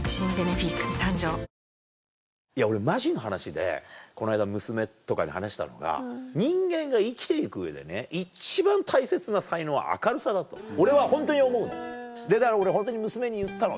俺マジの話でこの間娘とかに話したのが人間が生きて行く上でね一番大切な才能は明るさだと俺はホントに思うのだから俺ホントに娘に言ったの。